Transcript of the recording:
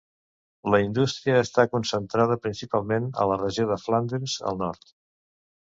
La indústria està concentrada principalment a la regió de Flandes, al nord.